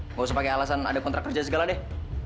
nggak usah pakai alasan ada kontrak kerja segala deh